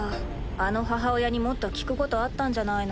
あの母親にもっと聞くことあったんじゃないの？